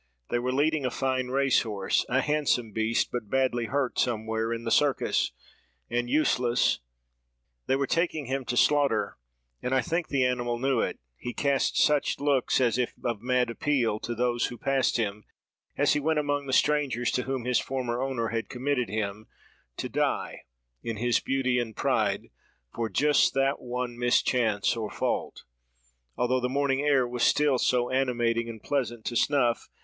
They were leading a fine race horse; a handsome beast, but badly hurt somewhere, in the circus, and useless. They were taking him to slaughter; and I think the animal knew it: he cast such looks, as if of mad appeal, to those who passed him, as he went among the strangers to whom his former owner had committed him, to die, in his beauty and pride, for just that one mischance or fault; although the morning air was still so animating, and pleasant to snuff.